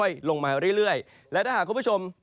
ลงมาเรื่อยและถ้าหากคุณผู้ชม